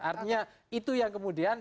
artinya itu yang kemudian